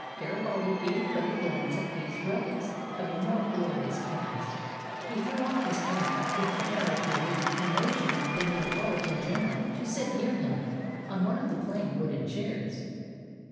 Garibaldi gave but a glance at these relics of a more glorious past. He threw off his cap with an air of relief and motioned the Neapolitan general to sit near him, on one of the plain wooden chairs.